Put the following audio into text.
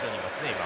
今。